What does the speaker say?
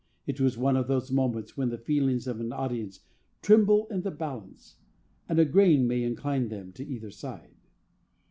It was one of those moments when the feelings of an audience tremble in the balance, and a grain may incline them to either side.